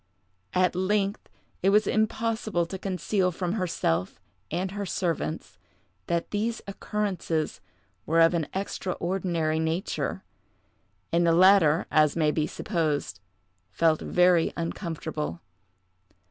At length it was impossible to conceal from herself and her servants that these occurrences were of an extraordinary nature, and the latter, as may be supposed, felt very uncomfortable.